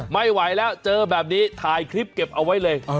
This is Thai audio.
ไม่ไหวแล้วเจอแบบนี้ถ่ายคลิปเก็บเอาไว้เลย